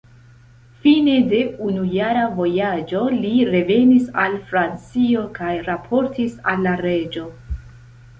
Fine de unujara vojaĝo, li revenis en Francio kaj raportis al la reĝo.